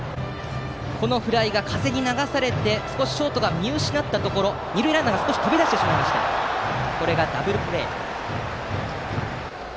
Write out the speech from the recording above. このフライが風に流されて少しショートが見失ったところで二塁ランナーが少し飛び出してしまってダブルプレー。